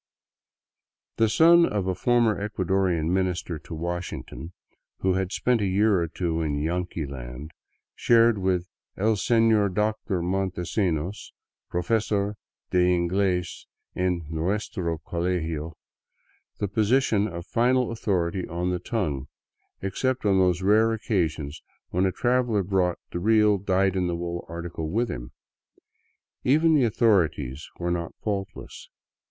The son of a former Ecuadorian minister to Washington, who had spent a year or two in " Yanqui land," shared with " el Senor Doctor Mon tesinos, profesor de ingles en nuestro colegio,'* the position of final authority on the tongue, except on those rare occasions when a traveler brought the real, dyed in the wool article with him. Even the au thorities were not faultless.